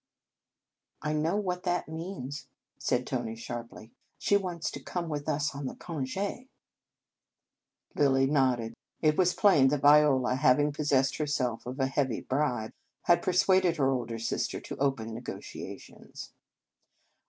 "I know what that means," said Tony sharply. " She wants to come with us on the conge" Lilly nodded. It was plain that Viola, having possessed herself of a heavy bribe, had persuaded her older sister to open negotiations.